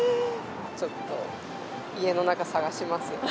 ちょっと家の中、探します。